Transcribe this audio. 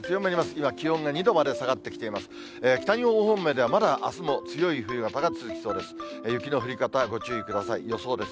今、気温が２度まで下がってきています。